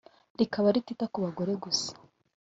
rikaba ritita ku bagore gusa